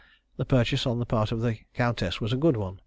The purchase on the part of the countess was a good one.